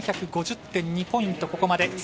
７５０．２ポイント、ここまで。